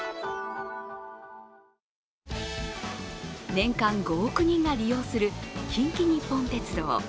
年間５億人が利用する近畿日本鉄道。